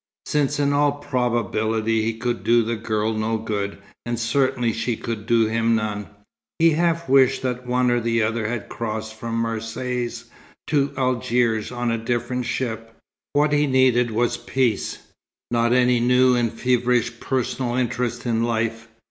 Since, in all probability, he could do the girl no good, and certainly she could do him none, he half wished that one or the other had crossed from Marseilles to Algiers on a different ship. What he needed was peace, not any new and feverish personal interest in life.